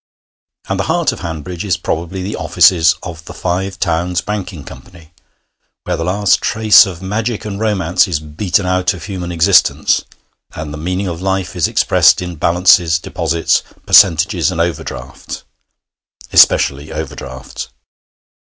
And the heart of Hanbridge is probably the offices of the Five Towns Banking Company, where the last trace of magic and romance is beaten out of human existence, and the meaning of life is expressed in balances, deposits, percentages, and overdrafts especially overdrafts.